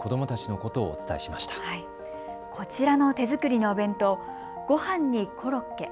こちらの手作りのお弁当、ごはんにコロッケ。